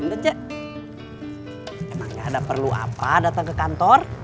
decek emang gak ada perlu apa datang ke kantor